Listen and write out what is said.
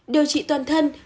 điều trị toàn thân